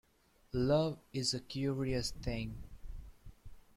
Love is a curious thing.